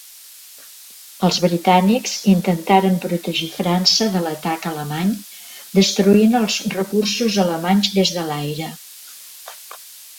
Els britànics intentaren protegir França de l'atac alemany destruint els recursos alemanys des de l'aire.